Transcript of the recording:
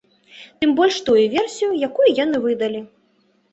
Тым больш тую версію, якую яны выдалі.